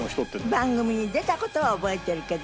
番組に出た事は覚えてるけど。